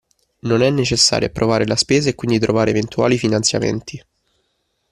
Non è necessario approvare la spesa e quindi trovare eventuali finanziamenti.